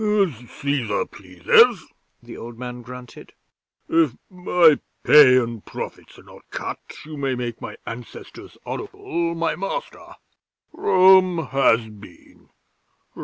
'"As Cæsar pleases," the old man grunted. "If my pay and profits are not cut, you may make my Ancestors' Oracle my master. Rome has been!